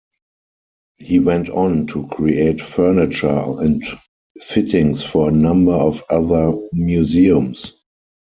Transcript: He went on to create furniture and fittings for a number of other museums.